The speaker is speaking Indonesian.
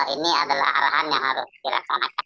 ini adalah arahan yang harus dilaksanakan